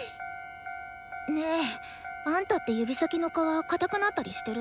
ねえあんたって指先の皮硬くなったりしてる？